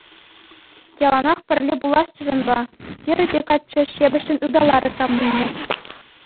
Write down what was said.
Яланах пӗрле пуласчӗ санпа, — терӗ те каччӑ ҫепӗҫҫӗн ыталарӗ савнине.